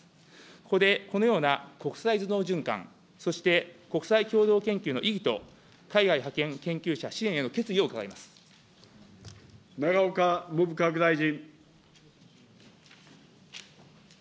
ここでこのような国際頭脳循環、そして国際共同研究の意義と、海外派遣研究者支援への決意を伺い永岡文部科学大臣。